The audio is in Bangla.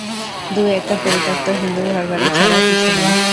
দুএকটা পরিত্যক্ত হিন্দুঘরবাড়ি ছাড়া কিছু নেই।